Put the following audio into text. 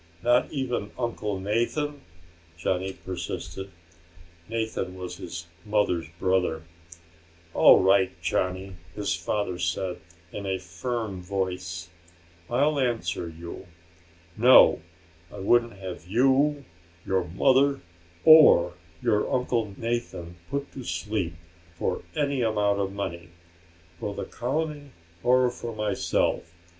"Not even Uncle Nathan?" Johnny persisted. Nathan was his mother's brother. "All right, Johnny," his father said in a firm voice. "I'll answer you. No, I wouldn't have you, your mother, or your Uncle Nathan 'put to sleep' for any amount of money for the colony or for myself.